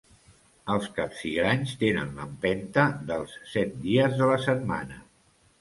Els Capsigranys tenen l'empenta dels set dies de la setmana.